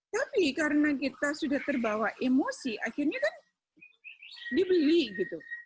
tapi karena kita sudah terbawa emosi akhirnya kan dibeli gitu